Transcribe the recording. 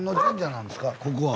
ここは。